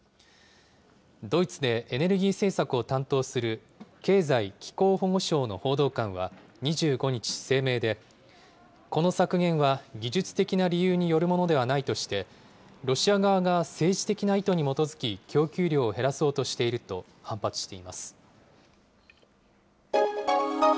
ドイツでエネルギー政策を担当する経済・気候保護省の報道官は、２５日、声明で、この削減は、技術的な理由によるものではないとして、ロシア側が政治的な意図に基づき供給量を減らそうとしていると反発しています。